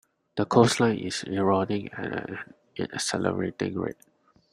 The coastline is eroding at an accelerating rate.